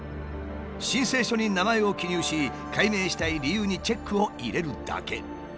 申請書に名前を記入し改名したい理由にチェックを入れるだけ。